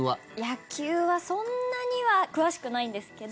野球はそんなには詳しくないんですけど。